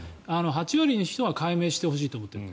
８割の人は解明してほしいと思っている。